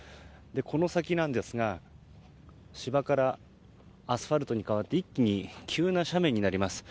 この先ですが芝からアスファルトに変わって一気に急な斜面になります。